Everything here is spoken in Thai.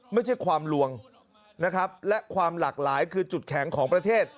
ไม่ใช่ความลวงนะครับและความหลากหลายคือจุดแข็งของประเทศ